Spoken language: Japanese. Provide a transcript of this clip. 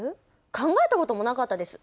考えたこともなかったです。